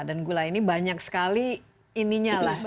dan gula ini banyak sekali ininya lah